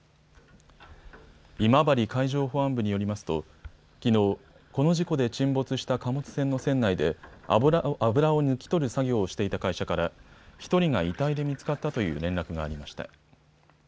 今治海上保安部によりますときのう、この事故で沈没した貨物船の船内で油を抜き取る作業をしていた会社から１人が遺体で見つかったという連絡がありました。